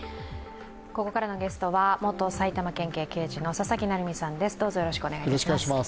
ここからのゲストは元埼玉県警刑事の佐々木成三さんです。